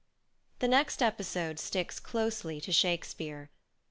The next episode sticks closely to Shakespeare.